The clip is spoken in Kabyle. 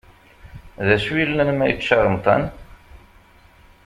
D acu yellan ma yečča remṭan!